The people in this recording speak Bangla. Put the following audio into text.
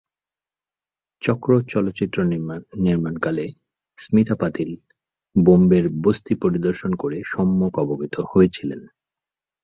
চক্র চলচ্চিত্র নির্মাণকালে স্মিতা পাতিল বোম্বের বস্তি পরিদর্শন করে সম্যক অবগত হয়েছিলেন।